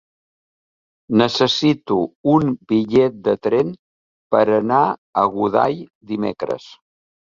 Necessito un bitllet de tren per anar a Godall dimecres.